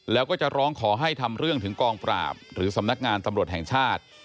แล้วก็จะร้องขอให้ทำเรื่องถึงกองปราบหรือสำนักงานตำรวจแห่งชาติ